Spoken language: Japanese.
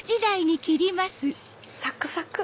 サクサク！